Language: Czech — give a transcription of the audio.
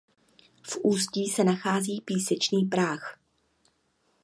V ústí se nachází písečný práh.